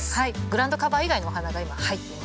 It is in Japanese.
グラウンドカバー以外のお花が今入ってます。